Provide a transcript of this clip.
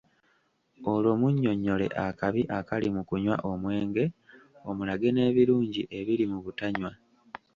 Olwo munnyonnyole akabi akali mu kunywa omwenge, omulage n’ebirungi ebiri mu butanywa.